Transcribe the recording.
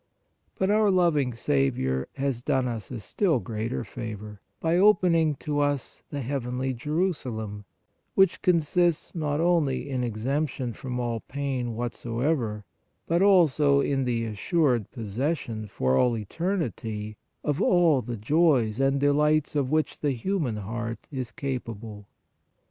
But our loving Saviour has done us a still greater favor, by opening to us the heavenly Jerusalem, which consists not only in exemption from all pain whatsoever, but also in the assured possession for all eternity of all the joys and delights of which the human heart is capable.